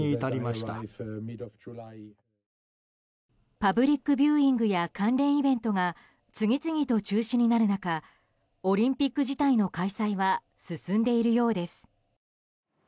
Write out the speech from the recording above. パブリックビューイングや関連イベントが次々と中止になる中オリンピック自体の開催は進んでいるようです。